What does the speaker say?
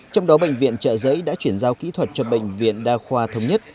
trong đó bệnh viện trợ giấy đã chuyển giao kỹ thuật cho bệnh viện đa khoa thống nhất